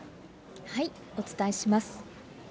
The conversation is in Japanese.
お伝えします。